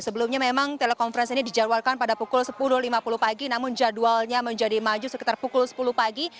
sebelumnya memang telekonferensi ini dijadwalkan pada pukul sepuluh lima puluh pagi namun jadwalnya menjadi maju sekitar pukul sepuluh pagi